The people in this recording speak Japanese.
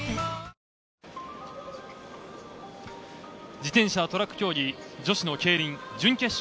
自転車トラック競技、女子のケイリン準決勝。